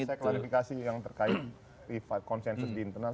nah saya sudah melihat verifikasi yang terkait konsensus di internal